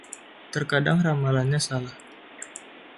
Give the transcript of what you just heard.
Terkadang ramalannya salah.